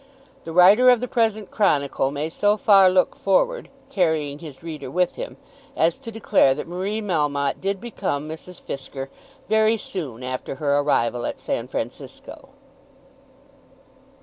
The writer of the present chronicle may so far look forward, carrying his reader with him, as to declare that Marie Melmotte did become Mrs. Fisker very soon after her arrival at San Francisco.